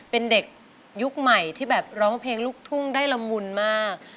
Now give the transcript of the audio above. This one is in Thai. เป็นเด็กยุคใหม่ที่แบบร้องเพลงลูกทุ่งได้ละมุนมาก